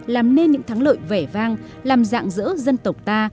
làm nên những thắng lợi vẻ vang làm dạng dỡ dân tộc ta